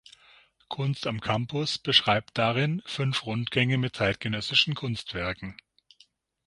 Kunst am Campus beschreibt darin fünf Rundgänge mit zeitgenössischen Kunstwerken.